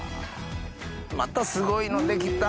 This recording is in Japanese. またすごいの出来た。